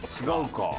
違うか。